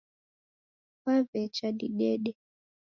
Wawecha didede.